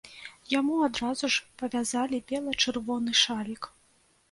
Яму адразу ж павязалі бела-чырвоны шалік.